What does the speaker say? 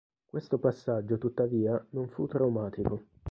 Questo passaggio tuttavia non fu traumatico.